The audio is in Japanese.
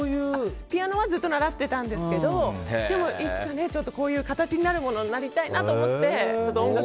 ピアノはずっと習ってたんですけどでもいつか形になるものになりたいなって。